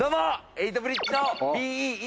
エイトブリッジの。